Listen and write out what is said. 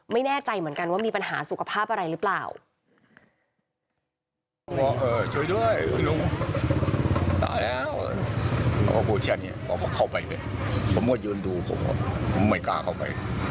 ไม่แน่ใจเหมือนกันว่ามีปัญหาสุขภาพอะไรหรือเปล่า